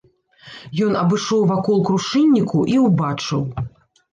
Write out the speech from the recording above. Ён абышоў вакол крушынніку і ўбачыў.